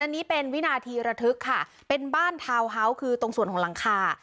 อันนี้เป็นวินาทีระทึกค่ะเป็นบ้านทาวน์เฮาส์คือตรงส่วนของหลังคา